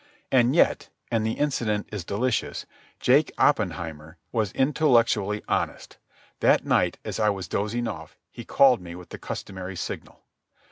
And yet—and the incident is delicious—Jake Oppenheimer was intellectually honest. That night, as I was dozing off, he called me with the customary signal.